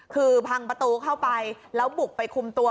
คือพังประตูเข้าไปแล้วบุกไปคุมตัว